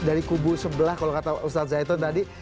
dari kubu sebelah kalau kata ustadz zaitun tadi